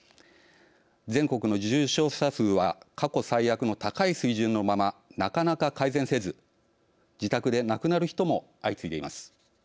全国の重症者数は過去最悪の高い水準のままなかなか改善せず自宅で亡くなる人も相次いでいます。